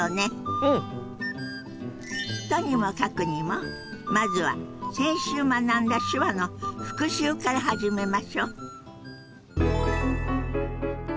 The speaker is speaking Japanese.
とにもかくにもまずは先週学んだ手話の復習から始めましょ。